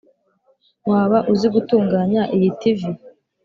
waba uzi gutunganya iyi tv?